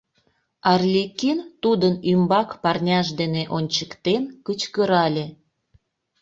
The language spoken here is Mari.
— Арлекин тудын ӱмбак парняж дене ончыктен кычкырале.